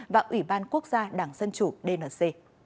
và ủy ban quốc gia đảng dân chủ dnc